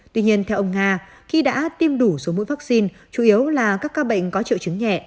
tuy nhiên theo ông nga khi đã tiêm đủ số mũi vaccine chủ yếu là các ca bệnh có triệu chứng nhẹ